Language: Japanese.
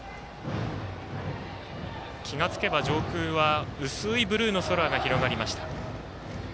気が付けば上空は薄いブルーの空が広がりました。